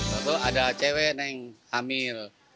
tentu ada cewek yang hamil